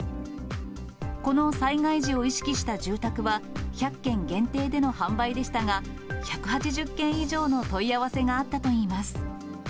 この災害時を意識した住宅は、１００軒限定での販売でしたが、１８０件以上の問い合わせがあったといいます。